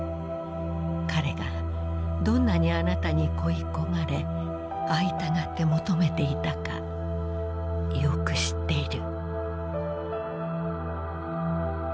彼がどんなにあなたに恋い焦がれ会いたがって求めていたかよく知っている」。